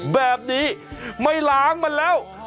แบบนี้ไม่ล้างมันแล้ว